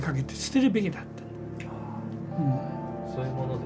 そういうものですか？